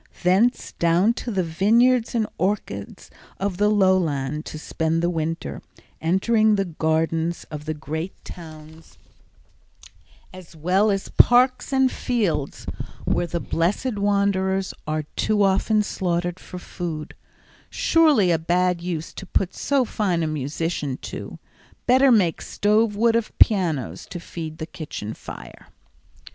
Thence down to the vineyards and orchards of the lowlands to spend the winter; entering the gardens of the great towns as well as parks and fields, where the blessed wanderers are too often slaughtered for food—surely a bad use to put so fine a musician to; better make stove wood of pianos to feed the kitchen fire.